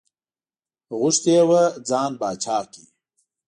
غوښتي یې وو ځان پاچا کړي.